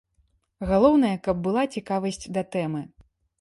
Галоўнае, каб была цікавасць да тэмы.